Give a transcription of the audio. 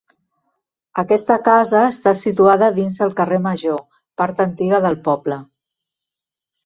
Aquesta casa està situada dins el carrer Major, part antiga del poble.